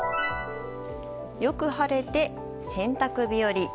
よく晴れて洗濯日和。